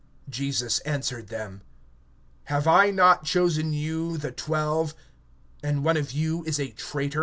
(70)Jesus answered them: Did I not choose you, the twelve, and one of you is a devil?